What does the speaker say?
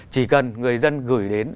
chỉ cần người dân gửi đến